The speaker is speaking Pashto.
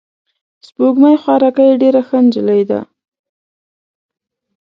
سپوږمۍ خوارکۍ ډېره ښه نجلۍ وه.